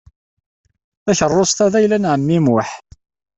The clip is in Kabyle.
Takeṛṛust-a d ayla n ɛemmi Muḥ.